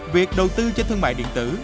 việc đầu tư cho thương mại điện tử